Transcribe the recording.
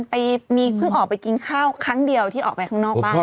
ไปมีเพิ่งออกไปกินข้าวครั้งเดียวที่ออกไปข้างนอกบ้าน